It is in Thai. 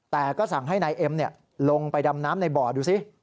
แต่ก็สั่งให้นายเอ็มลงไปดำน้ำในบ่อดูสิ